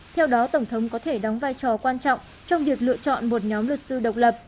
theo đó tổng thống có thể đóng vai trò quan trọng trong việc lựa chọn một nhóm luật sư độc lập